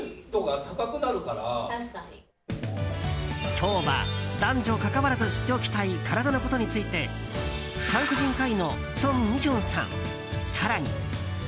今日は男女かかわらず知っておきたい体のことについて産婦人科医の宋美玄さん更に。